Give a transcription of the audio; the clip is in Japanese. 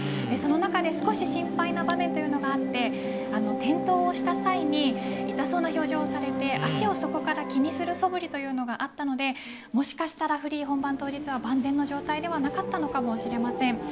その中で少し心配な場面というのがあって転倒をした際に痛そうな表情をされてそこから足を気にするそぶりがあったのでもしかしたらフリー本番当日は万全な状態ではなかったのかもしれません。